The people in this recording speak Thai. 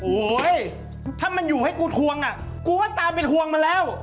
โหยถ้ามันอยู่ให้กูทวงอะกูก็ตามทวงมาแล้ว